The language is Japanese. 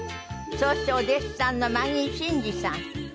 そしてお弟子さんのマギー審司さん。